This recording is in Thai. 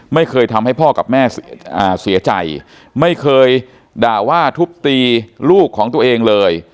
ไม่เคยทำให้พ่อกับแม่เสียใจไม่เคยด่าว่าทุบตีลูกของตัวเองเลย